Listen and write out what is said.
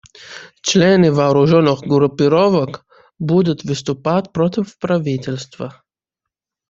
Члены вооруженных группировок будут выступать против правительства.